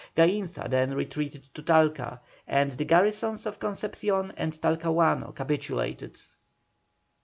Gainza then retreated to Talca, and the garrisons of Concepcion and Talcahuano capitulated.